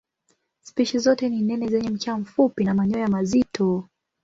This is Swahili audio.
Spishi zote ni nene zenye mkia mfupi na manyoya mazito.